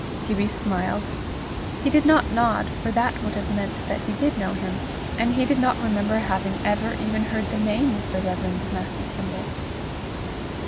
Gibbie smiled. He did not nod, for that would have meant that he did know him, and he did not remember having ever even heard the name of the Rev. Matthew Kimble.